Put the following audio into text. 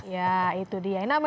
ya itu dia